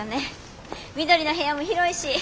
翠の部屋も広いし。